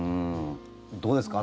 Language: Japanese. どうですか？